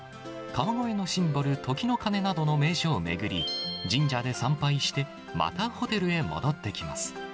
川越のシンボル、時の鐘などの名所を巡り、神社で参拝して、またホテルへ戻ってきます。